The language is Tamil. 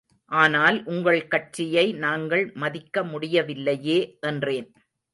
ஆனால் உங்கள் கட்சியை நாங்கள் மதிக்க முடியவில்லையே, என்றேன்.